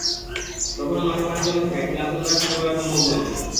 তখনো মাঠে পানি জমে থাকায় খেলা পুনরায় শুরু করা সম্ভব হয়নি।